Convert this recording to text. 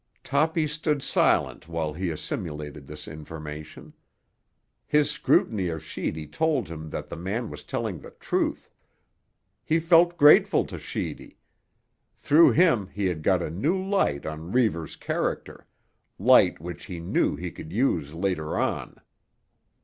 Toppy stood silent while he assimulated this information. His scrutiny of Sheedy told him that the man was telling the truth. He felt grateful to Sheedy; through him he had got a new light on Reivers' character, light which he knew he could use later on.